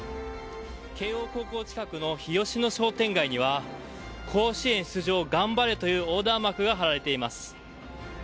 慶応高校近くの日吉の商店街には甲子園出場がんばれという横断幕が張られています。